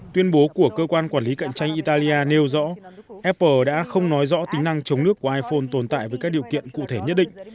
tuyên bố của cơ quan quản lý cạnh tranh italia nêu rõ apple đã không nói rõ tính năng chống nước của iphone tồn tại với các điều kiện cụ thể nhất định